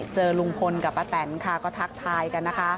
เจอลุงพลกับป้าแตนค่ะก็ทักทายกันนะคะ